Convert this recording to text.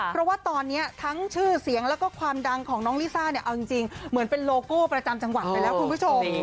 เพราะว่าตอนนี้ทั้งชื่อเสียงแล้วก็ความดังของน้องลิซ่าเนี่ยเอาจริงเหมือนเป็นโลโก้ประจำจังหวัดไปแล้วคุณผู้ชม